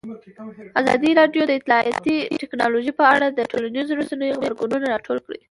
ازادي راډیو د اطلاعاتی تکنالوژي په اړه د ټولنیزو رسنیو غبرګونونه راټول کړي.